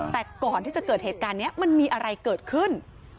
แต่ก่อนที่จะเกิดเหตุการณ์นี้มันมีอะไรเกิดขึ้น